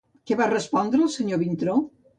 Què va respondre el senyor Vintró?